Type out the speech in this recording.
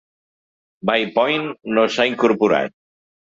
Bay Point no s'ha incorporat.